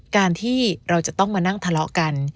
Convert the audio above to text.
การที่เราจะต้องมานั่งทะเลาะกัน